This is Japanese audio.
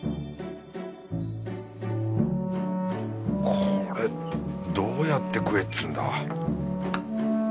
これどうやって食えっつうんだ？